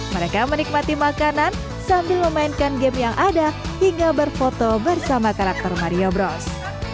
mereka menikmati makanan sambil memainkan game yang ada hingga berfoto bersama karakter mario bros